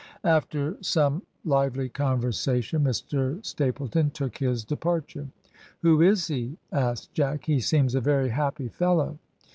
After some lively conversation, Mr Stapleton took his departure. "Who is he?" asked Jack. "He seems a very happy fellow."